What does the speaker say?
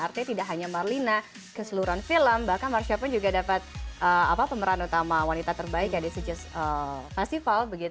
artinya tidak hanya marlina keseluruhan film bahkan marsha pun juga dapat pemeran utama wanita terbaik ya di sigits festival